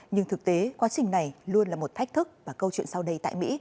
nhưng thực tế quá trình này luôn là một thách thức và câu chuyện sau đây tại mỹ